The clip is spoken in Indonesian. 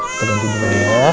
kita ganti dulu ya